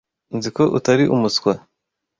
Nzi ko utari umuswa.